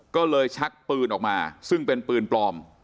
ก็เลยชักปืนออกมาซึ่งเป็นปืนปลอม